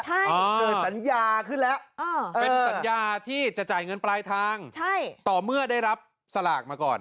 ใช่เป็นสัญญาที่จะจ่ายเงินปลายทางต่อเมื่อได้รับสลากมาก่อน